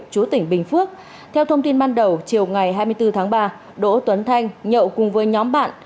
chú tỉnh bình phước theo thông tin ban đầu chiều ngày hai mươi bốn tháng ba đỗ tuấn thanh nhậu cùng với nhóm bạn